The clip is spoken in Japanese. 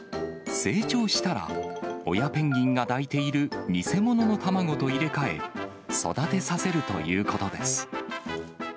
成長したら、親ペンギンが抱いている偽物の卵と入れ替え、育てさせるということです。